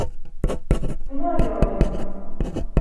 Bunu arıyordum.